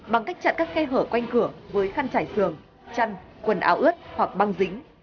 bằng cách chặn các cây hở quanh cửa với khăn chải xường chăn quần áo ướt hoặc băng dính